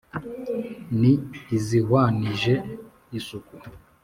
ni izihwanije isuku